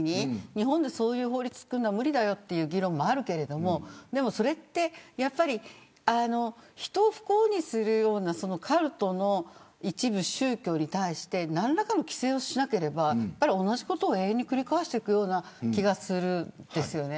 日本でそういう法律を作るのは無理という議論もあるけれどそれってやっぱり人を不幸にするようなカルトの一部宗教に対して何らかの規制をしなければ同じことを永遠に繰り返していくような気がします。